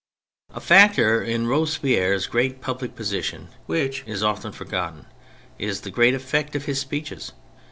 A factor in Robespierre's great public position which is often forgotten is the great effect of his speeches.